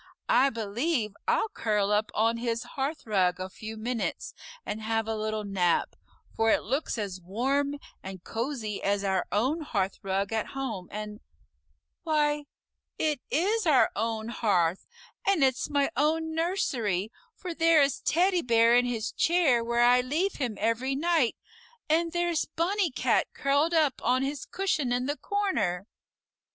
I believe I'll curl up on his hearth rug a few minutes and have a little nap, for it looks as warm and cozy as our own hearth rug at home, and why, it is our own hearth and it's my own nursery, for there is Teddy Bear in his chair where I leave him every night, and there's Bunny Cat curled up on his cushion in the corner."